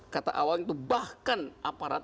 kata awal itu bahkan aparat